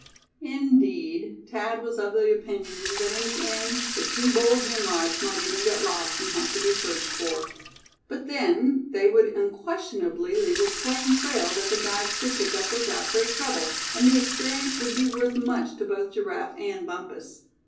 Indeed, Thad was of the opinion that in the end the two bold Nimrods might even get lost, and have to be searched for. But then, they would unquestionably leave a plain trail that the guides could pick up without great trouble; and the experience would be worth much to both Giraffe and Bumpus.